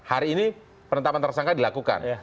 hari ini penetapan tersangka dilakukan